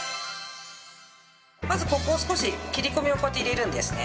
まずここを少し切り込みをこうやって入れるんですね。